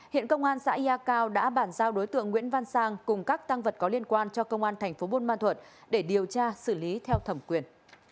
hiện công an xã ya cao đã bản giao đối tượng nguyễn văn sang cùng các tăng vật có liên quan cho công an thành phố buôn ma thuận để điều tra xử lý theo thẩm quyền